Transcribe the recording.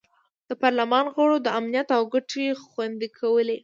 د پارلمان غړو د امنیت او ګټې خوندي کولې.